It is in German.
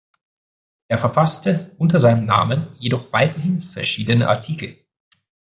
Er verfasste, unter seinem Namen, jedoch weiterhin verschiedene Artikel.